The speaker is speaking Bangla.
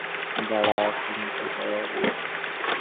দাঁড়া, শান্ত হ।